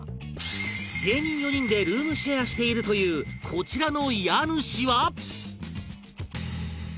芸人４人でルームシェアしているというこちらの家主は